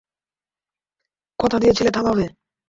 কথা দিয়েছিলে, থামাবে!